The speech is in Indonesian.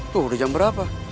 tuh udah jam berapa